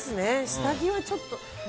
下着はちょっと。